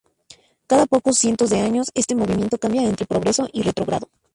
Cada pocos cientos de años este movimiento cambia entre progreso y retrógrado.